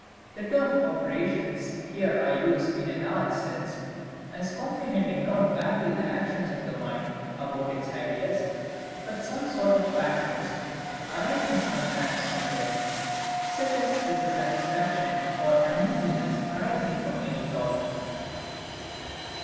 The term OPERATIONS here I use in a large sense, as comprehending not barely the actions of the mind about its ideas, but some sort of passions arising sometimes from them, such as is the satisfaction or uneasiness arising from any thought.